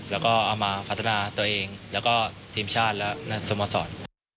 แล้วก็เอามาพัฒนาตัวเองแล้วก็ทีมชาติและสโมสร